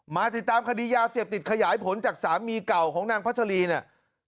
มาติดตามคดียาเสพติดขยายผลจากสามีเก่าของนางพัชรีเนี่ย